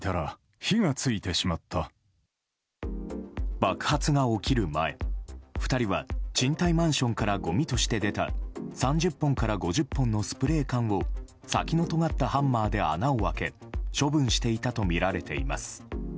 爆発が起きる前２人は賃貸マンションからごみとして出た３０本から５０本のスプレー缶を先のとがったハンマーで穴を開け処分していたとみられています。